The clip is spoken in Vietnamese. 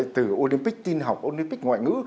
từ olympic tin học olympic ngoại ngữ